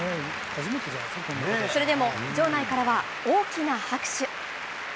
それでも場内からは大きな拍手。